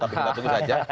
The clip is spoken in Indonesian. tapi kita tunggu saja